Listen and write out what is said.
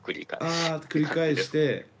あ繰り返して。